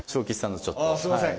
あっすいません。